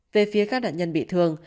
về phía các đạn nhân bị thương